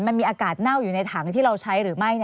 มันมีอากาศเน่าอยู่ในถังที่เราใช้หรือไม่